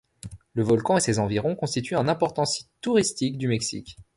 Le volcan et ses environs constituent un important site touristique du Mexique.